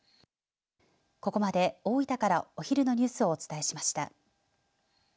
ここまで大分からお昼のニュースをお伝えしました。